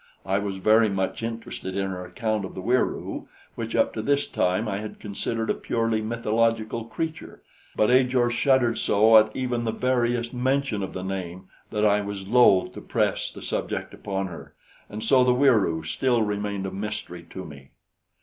I was very much interested in her account of the Wieroo, which up to this time I had considered a purely mythological creature; but Ajor shuddered so at even the veriest mention of the name that I was loath to press the subject upon her, and so the Wieroo still remained a mystery to me.